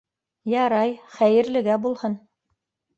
— Ярай, хәйерлегә булһын.